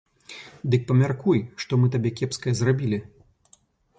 Дык памяркуй, што мы табе кепскае зрабілі?